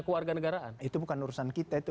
kewarganegaraan itu bukan urusan kita itu